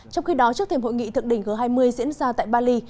trong khi đó trước thềm hội nghị thượng đỉnh g hai mươi diễn ra tại bali